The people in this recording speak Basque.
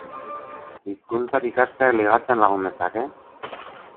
Hizkuntzak ikasteak ligatzen lagun dezake?